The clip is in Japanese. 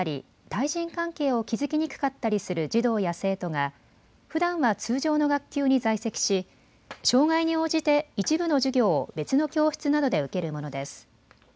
対人関係を築きにくかったりする児童や生徒がふだんは通常の学級に在籍し障害に応じて一部の授業を別の教室などで受けるものです。